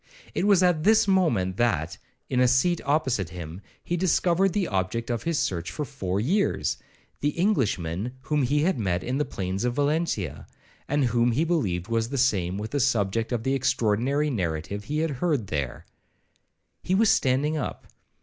It was at this moment that, in a seat opposite to him, he discovered the object of his search for four years,—the Englishman whom he had met in the plains of Valentia, and whom he believed the same with the subject of the extraordinary narrative he had heard there. 1 Vide Betterton's History of the Stage. He was standing up.